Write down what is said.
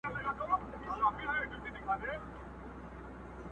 سرلوړى مي دئ د قام او د زامنو؛